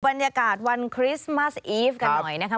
บรรยากาศวันคริสต์มัสอีฟกันหน่อยนะคะ